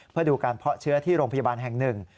เพื่อดูการเพาะเชื้อที่โรงพยาบาลแห่งหนึ่ง